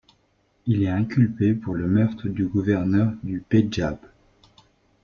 Il est inculpé pour le meurtre du Gouverneur du Pendjab.